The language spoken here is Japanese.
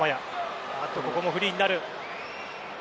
ここもフリーになる。